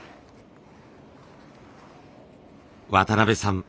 渡辺さん